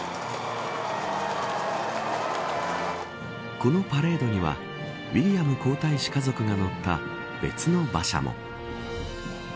このパレードにはウィリアム皇太子家族が乗った別の馬車も。